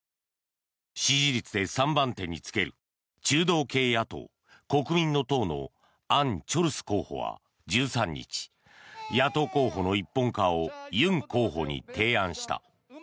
支持率で３番手につける中道系野党・国民の党のアン・チョルス候補は１３日野党候補の一本化をユン候補に提案した。